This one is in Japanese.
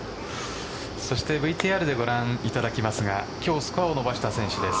ＶＴＲでご覧いただきますが今日スコアを伸ばした選手です。